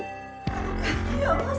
ya allah sakit banget